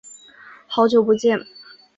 好久不见。